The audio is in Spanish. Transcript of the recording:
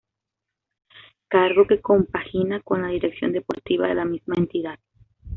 Cargo que compagina con la Dirección Deportiva de la misma entidad.